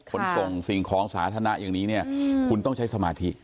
ขนส่งสิ่งของสาธารณะอย่างนี้เนี่ยคุณต้องใช้สมาธิ